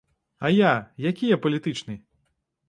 А я, які я палітычны?